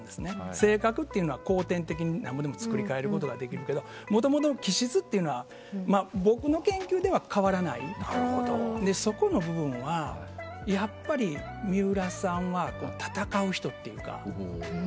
性格というのは後天的になんぼでも作り替えることができるけどもともとの気質というのは僕の研究では変わらないので、そこの部分はやっぱり水卜さんは戦う人というか。